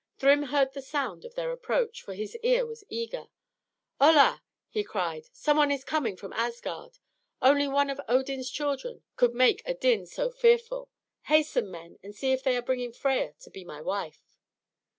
Thrym heard the sound of their approach, for his ear was eager. "Hola!" he cried. "Someone is coming from Asgard only one of Odin's children could make a din so fearful. Hasten, men, and see if they are bringing Freia to be my wife."